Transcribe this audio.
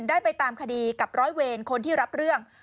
ได้ไปตามคดีกับร้อยเวรคนที่รับเรื่อง